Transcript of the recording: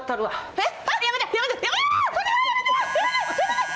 えっ！？